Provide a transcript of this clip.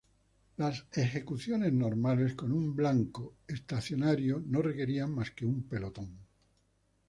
Las ejecuciones normales, con un blanco estacionario, no requerían más que un pelotón.